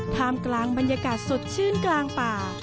ท่ามกลางบรรยากาศสดชื่นกลางป่า